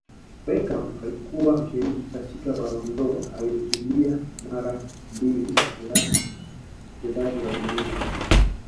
Beckham alikuwa mshiriki katika Ballon dOr aliyekimbia mara mbili ya Mchezaji wa Dunia